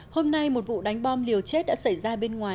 hôm nay một vụ đánh bom liều chết đã xảy ra bên ngoài